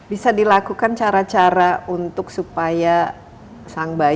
bisa dilakukan cara cara untuk supaya sang bayi itu tidak berubah